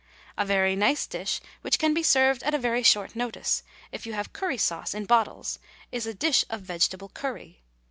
A very nice dish which can be served at a very short notice, if you have curry sauce in bottles, is a dish of vegetable curry.